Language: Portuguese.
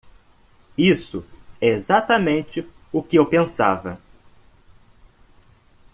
Isso é exatamente o que eu pensava.